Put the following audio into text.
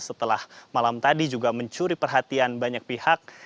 setelah malam tadi juga mencuri perhatian banyak pihak